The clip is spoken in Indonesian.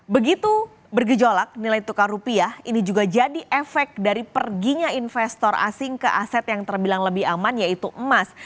begitu bergejolak nilai tukar rupiah ini juga jadi efek dari perginya investor asing ke aset yang terbilang lebih aman yaitu emas